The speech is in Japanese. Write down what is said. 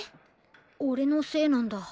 オレのせいなんだ。